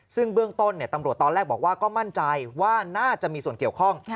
ซึ่งเบื้องต้นตำรวจตอนแรกบอกว่าก็มั่นใจว่าน่าจะมีส่วนเกี่ยวข้อง